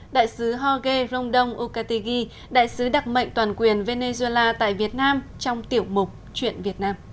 đại sứ jorge rondon ucategi đại sứ đặc mệnh toàn quyền venezuela tại việt nam trong tiểu mục chuyện việt nam